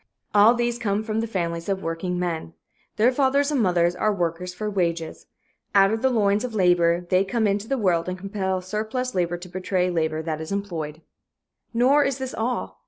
All these come from the families of workingmen. Their fathers and mothers are workers for wages. Out of the loins of labor they come into the world and compel surplus labor to betray labor that is employed. Nor is this all.